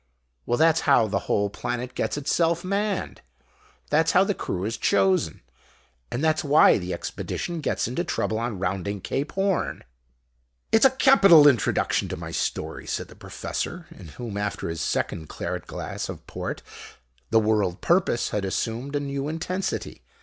Well, that's how the whole planet gets itself manned. That's how the crew is 'chosen.' And that's why the Expedition gets into trouble on rounding Cape Horn." "It's a capital introduction to my story," said the Professor, in whom, after his second claret glass of port, The World Purpose had assumed a new intensity.